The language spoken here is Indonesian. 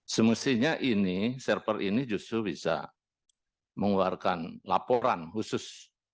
semestinya ini server ini justru bisa mengeluarkan laporan khusus